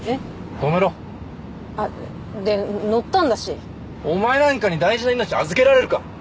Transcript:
止めろあっで乗ったんだしお前なんかに大事な命預けられるか！